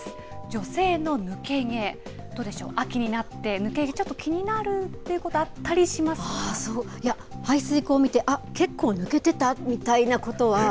女性の抜け毛、どうでしょう、秋になって、抜け毛、ちょっと気になるってこと、あったりしますいや、排水口見て、あっ、けっこう抜けてたみたいなことは。